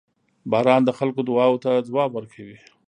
• باران د خلکو دعاوو ته ځواب ورکوي.